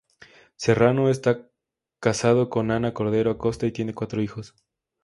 Serrano está casado con Ana Cordero Acosta y tiene cuatro hijos.